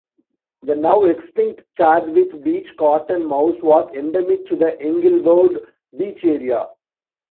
The now extinct Chadwick Beach cotton mouse was endemic to the Englewood Beach area.